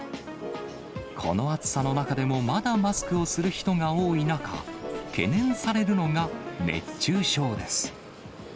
この暑さの中でもまだマスクをする人が多い中、懸念されるのが熱中症です。